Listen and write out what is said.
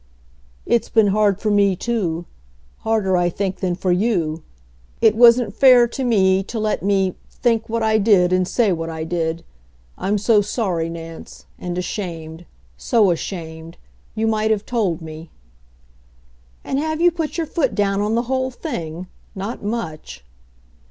"It's been hard for me, too; harder, I think, than for you. It wasn't fair to me to let me think what I did and say what I did. I'm so sorry, Nance, and ashamed. So ashamed! You might have told me." "And have you put your foot down on the whole thing; not much!"